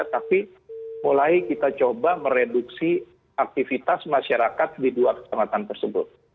tapi mulai kita coba mereduksi aktivitas masyarakat di dua kecamatan tersebut